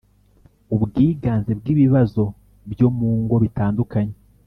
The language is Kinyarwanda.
Ubwiganze bw ibibazo byo mu ngo bitandukanye